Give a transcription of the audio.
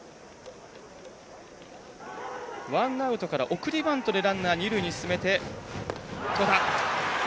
ワンアウトから送りバントでランナー、二塁に進めて戸田。